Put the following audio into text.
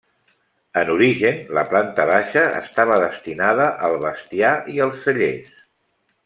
En origen, la planta baixa estava destinada al bestiar i als cellers.